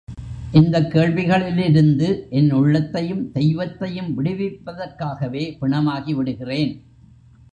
இந்தக் கேள்விகளிலிருந்து என் உள்ளத்தையும் தெய்வத்தையும் விடுவிப்பதற்காகவே பிணமாகிவிடுகிறேன்.